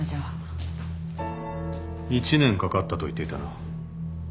１年かかったと言っていたな。